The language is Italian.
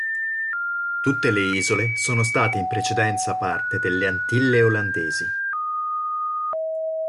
Tutte le isole sono state in precedenza parte delle Antille Olandesi.